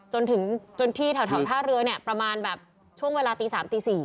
จนที่แถวท่าเรือประมาณแบบช่วงเวลาตี๓๔